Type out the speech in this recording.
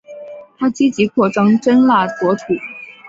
他积极扩张真腊国土。